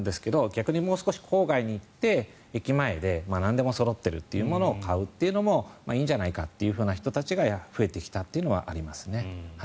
逆にもう少し郊外に行って駅までなんでもそろっているのを買うというのもいいんじゃないかという人たちが増えてきたというのはありますね。